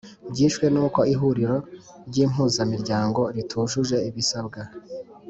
Byishwe n’uko ihuriro ry’impuzamiryango ritujuje ibisabwa